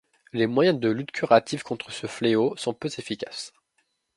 Les moyens de lutte curatifs contre ce fléau sont peu efficaces.